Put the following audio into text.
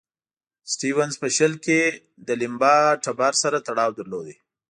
سټیونز په شل کې د لیمبا ټبر سره تړاو درلود.